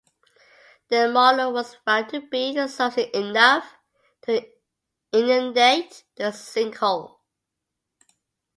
Their model was found to be sufficient enough to inundate the sinkhole.